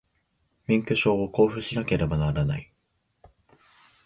免許証を交付しなければならない